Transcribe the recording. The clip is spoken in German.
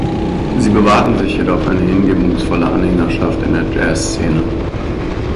Sie bewahrten sich jedoch eine hingebungsvolle Anhängerschaft in der Jazzszene.